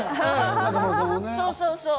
そうそうそう。